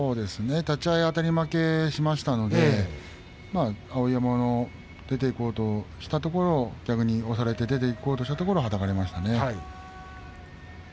立ち合いあたり負けしましたので碧山の出ていこうとしたところ逆に押されてはたかれましたね。